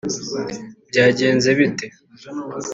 byagenze bite